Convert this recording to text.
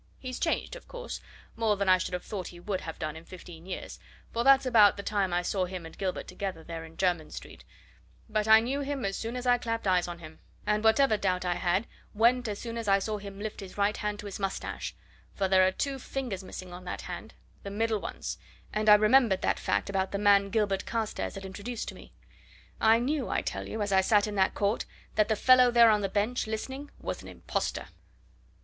He's changed, of course more than I should have thought he would have done in fifteen years, for that's about the time since I saw him and Gilbert together there in Jermyn Street, but I knew him as soon as I clapped eyes on him, and whatever doubt I had went as soon as I saw him lift his right hand to his moustache, for there are two fingers missing on that hand the middle ones and I remembered that fact about the man Gilbert Carstairs had introduced to me. I knew, I tell you, as I sat in that court, that the fellow there on the bench, listening, was an impostor!"